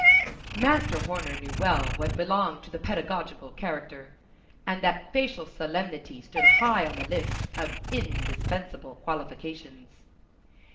Master Horner knew well what belonged to the pedagogical character, and that facial solemnity stood high on the list of indispensable qualifications.